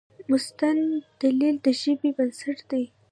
مستند دلیل د ژبې بنسټ دی.